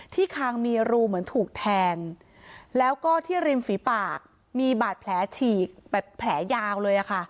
คางมีรูเหมือนถูกแทงแล้วก็ที่ริมฝีปากมีบาดแผลฉีกแบบแผลยาวเลยค่ะ